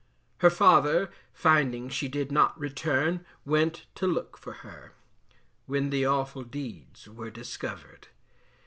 Her father finding she did not return, went to look for her; when the awful deeds were discovered.